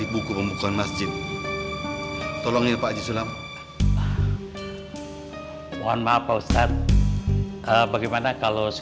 bukan ngebelain abah lu